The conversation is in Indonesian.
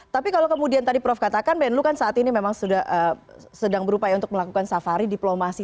tapi kalau kemudian tadi prof katakan menlu kan saat ini memang sedang berupaya untuk melakukan safari diplomasi